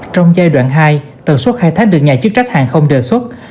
trong giai đoạn hai tần suất khai thác được nhà chức trách hàng không đề xuất